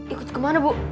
ikut ke mana bu